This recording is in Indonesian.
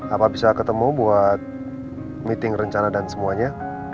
apa bisa ketemu buat meeting rencana dan semuanya